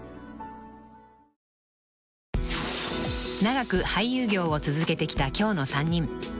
［長く俳優業を続けてきた今日の３人］